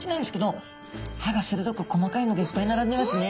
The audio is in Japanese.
歯がするどく細かいのがいっぱい並んでますね。